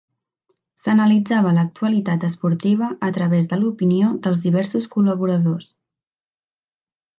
S'analitzava l'actualitat esportiva a través de l'opinió dels diversos col·laboradors.